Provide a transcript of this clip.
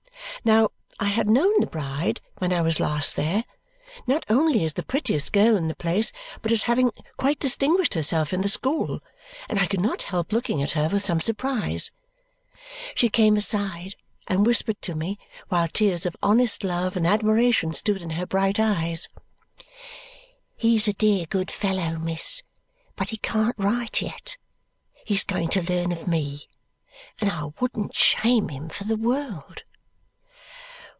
Now, I had known the bride when I was last there, not only as the prettiest girl in the place, but as having quite distinguished herself in the school, and I could not help looking at her with some surprise. She came aside and whispered to me, while tears of honest love and admiration stood in her bright eyes, "He's a dear good fellow, miss; but he can't write yet he's going to learn of me and I wouldn't shame him for the world!"